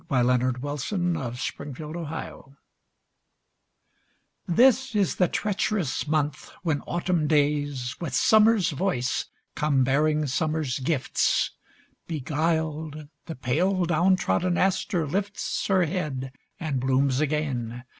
Helen Hunt Jackson November THIS is the treacherous month when autumn days With summer's voice come bearing summer's gifts. Beguiled, the pale down trodden aster lifts Her head and blooms again.